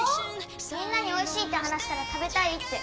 みんなにおいしいって話したら食べたいって。